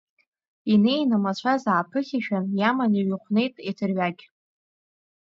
Инеин амацәаз ааԥыхьашәан иаман иҩыхәнеит еҭырҩагь.